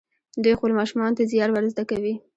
دوی خپلو ماشومانو ته زیار ور زده کوي.